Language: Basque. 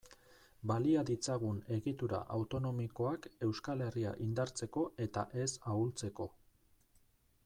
Balia ditzagun egitura autonomikoak Euskal Herria indartzeko eta ez ahultzeko.